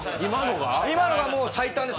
今のが最短です。